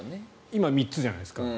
今、３つじゃないですか。